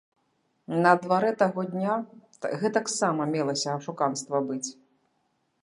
На дварэ таго дня гэтаксама мелася ашуканства быць.